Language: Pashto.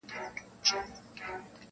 چيري ترخه بمبل چيري ټوکيږي سره ګلونه-